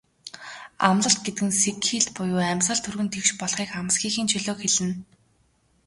Амал гэдэг нь сэгхийлт буюу амьсгал түргэн тэгш болохыг, амсхийхийн чөлөөг хэлнэ.